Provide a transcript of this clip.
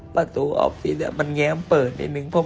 ประตูออฟฟิศมันแง้มเปิดนิดนึง